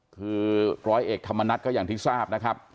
คือร้อยเอกธรรมนัฐก็อย่างที่ทราบนะครับ